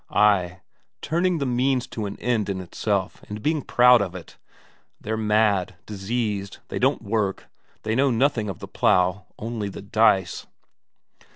Ay, turning the means to an end in itself and being proud of it! They're mad, diseased; they don't work, they know nothing of the plough, only the dice.